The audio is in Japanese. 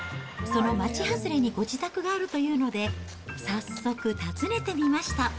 その町外れにご自宅があるというので、早速訪ねてみました。